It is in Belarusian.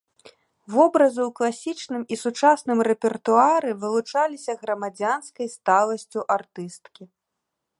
Вобразы ў класічным і сучасным рэпертуары вылучаліся грамадзянскай сталасцю артысткі.